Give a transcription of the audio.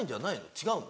違うの？